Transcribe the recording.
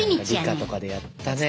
理科とかでやったね道管。